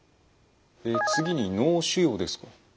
次に脳腫瘍です。